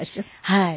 はい。